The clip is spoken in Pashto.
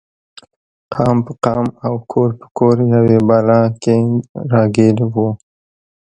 قام په قام او کور په کور یوې بلا کې راګیر و.